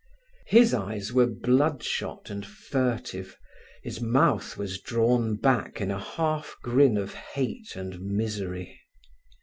His eyes were bloodshot and furtive, his mouth was drawn back in a half grin of hate and misery.